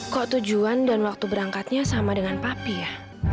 kok tujuan dan waktu berangkatnya sama dengan papi ya